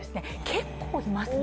結構いますね。